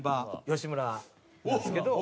吉村なんですけど。